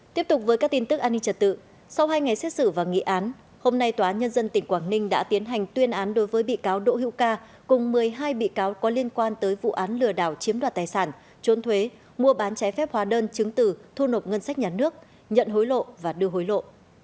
tiếp tục với các tin tức an ninh trật tự sau hai ngày xét xử và nghị án hôm nay tòa án nhân dân tỉnh quảng ninh đã tiến hành tuyên án đối với bị cáo đỗ hữu ca cùng một mươi hai bị cáo có liên quan tới vụ án lừa đảo chiếm đoạt tài sản trốn thuế mua bán trái phép hóa đơn chứng từ thu nộp ngân sách nhà nước nhận hối lộ và đưa hối lộ